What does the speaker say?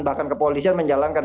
bahkan kepolisian menjalankan